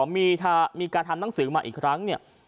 มีการทำหนังสือมาอีกครั้งเนี่ย